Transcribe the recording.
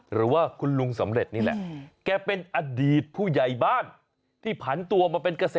หรือว่าคุณลุงสำเร็จนี่แหละแกเป็นอดีตผู้ใหญ่บ้านที่ผันตัวมาเป็นเกษตร